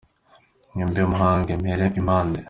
Mpimbe mpange mpere impande